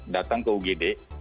datang ke ugd